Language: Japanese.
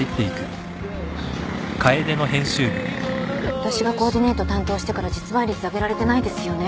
あたしがコーディネート担当してから実売率上げられてないですよね。